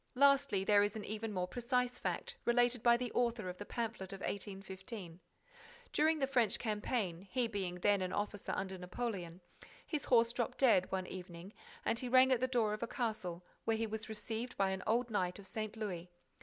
Lastly, there is an even more precise fact related by the author of the pamphlet of 1815. During the French campaign, he being then an officer under Napoleon, his horse dropped dead, one evening, and he rang at the door of a castle where he was received by an old knight of St. Louis.